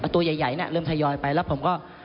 ตัวใหญ่เริ่มทยอยไปแล้วผมก็